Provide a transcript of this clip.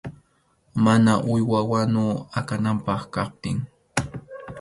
Mana uywa wanu akananpaq kaptin.